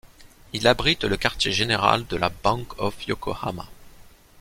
Il abrite le quartier général de la Bank of Yokohama.